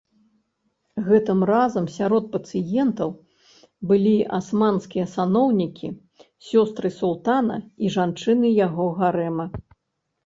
Гэтым разам сярод пацыентаў былі асманскія саноўнікі, сёстры султана і жанчыны яго гарэма.